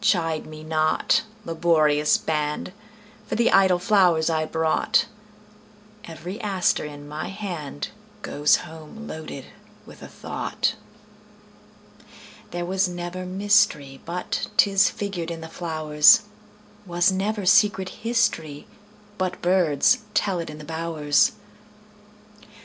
Chide me not, laborious band, For the idle flowers I brought; Every aster in my handGoes home loaded with a thought. There was never mysteryBut 'tis figured in the flowers; SWas never secret historyBut birds tell it in the bowers.